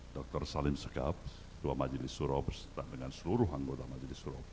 dr salim sekap tua majelis suroh bersetelah dengan seluruh anggota majelis suroh